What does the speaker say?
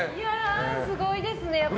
すごいですね。